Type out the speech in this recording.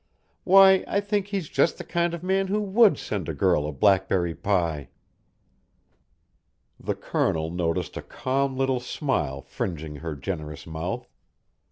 Why, I think he's just the kind of man who WOULD send a girl a blackberry pie." The Colonel noticed a calm little smile fringing her generous mouth.